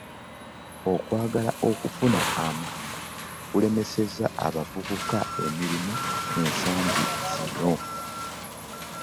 Okwagala okufuna amangu kulemesezza abavubuka emirimu ensangi zino.